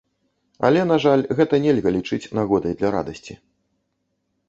Але, на жаль, гэта нельга лічыць нагодай для радасці.